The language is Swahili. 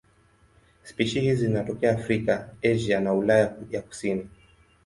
Spishi hizi zinatokea Afrika, Asia na Ulaya ya kusini.